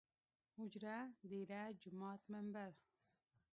اوجره ، ديره ،جومات ،ممبر